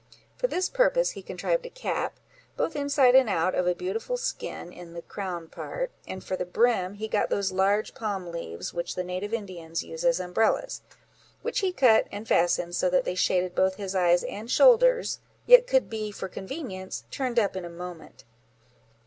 For this purpose, he contrived a cap, both inside and out of a beautiful skin in the crown part; and for the brim, he got those large palm leaves which the native Indians use as umbrellas, which he cut and fastened, so that they shaded both his eyes and shoulders, yet could be, for convenience, turned up in a moment.